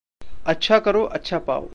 अच्छा करो, अच्छा पाओ।